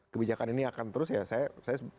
kebijakan ini akan terus ya saya